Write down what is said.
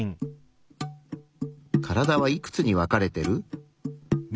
カラダはいくつに分かれてる？